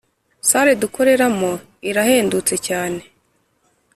Sale dukoreramo irahendutse cyane